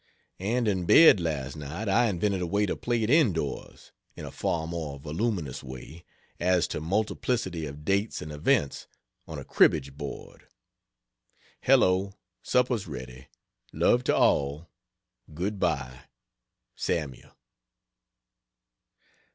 And in bed, last night, I invented a way to play it indoors in a far more voluminous way, as to multiplicity of dates and events on a cribbage board. Hello, supper's ready. Love to all. Good bye. SAML.